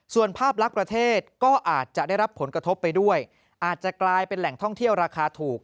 ส่วนภาพลักษณ์ประเทศก็อาจจะได้รับผลกระทบไปด้วยอาจจะกลายเป็นแหล่งท่องเที่ยวราคาถูก